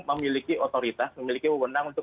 memiliki otoritas memiliki undang undang untuk